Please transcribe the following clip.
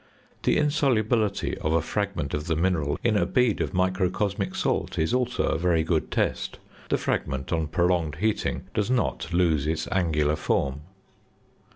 The insolubility of a fragment of the mineral in a bead of microcosmic salt, is also a very good test; the fragment, on prolonged heating, does not lose its angular form.